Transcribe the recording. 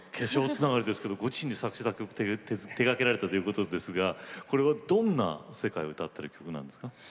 ご自身で作詞・作曲手がけられたということですがこれは、どんな世界を歌ってる曲なんですか？